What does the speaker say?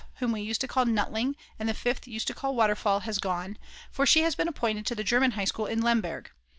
whom we used to call Nutling and the Fifth used to call Waterfall has gone, for she has been appointed to the German High School in Lemberg.